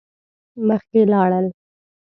مخکی لاړل.